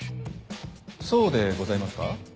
そうでございますか？